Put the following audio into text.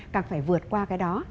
càng phải vượt qua cái đó